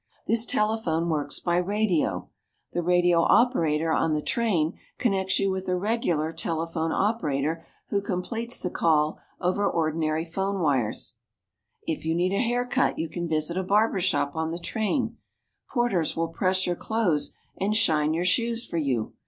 This telephone works by radio. The radio operator on the train connects you with a regular telephone operator who completes the call over ordinary phone wires. If you need a haircut, you can visit a barbershop on the train. Porters will press your clothes and shine your shoes for you.